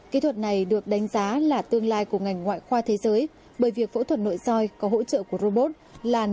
kỹ thuật này được đánh giá là tương lai của ngành ngoại khoa thế giới bởi việc phẫu thuật nội soi có hỗ trợ của robot là